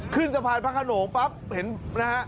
ขึ้นสะพานพระขนงปั๊บเห็นนะฮะ